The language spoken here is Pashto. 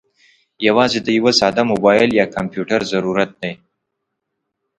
یوازې د یوه ساده موبايل یا کمپیوټر ضرورت دی.